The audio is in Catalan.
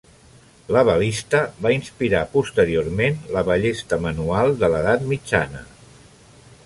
La balista va inspirar posteriorment la ballesta manual de l'edat mitjana.